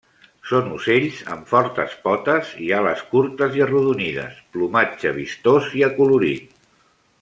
Són ocells amb fortes potes i ales curtes i arrodonides, plomatge vistós i acolorit.